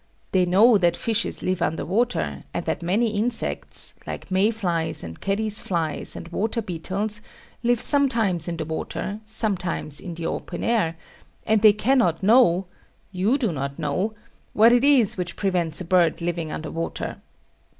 They know that fishes live under water, and that many insects like May flies and caddis flies and water beetles live sometimes in the water, sometimes in the open air; and they cannot know you do not know what it is which prevents a bird's living under water.